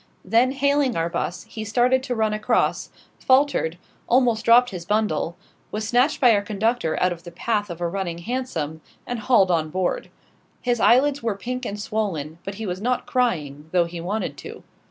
Then, hailing our 'bus, he started to run across faltered almost dropped his bundle was snatched by our conductor out of the path of a running hansom, and hauled on board. His eyelids were pink and swollen; but he was not crying, though he wanted to.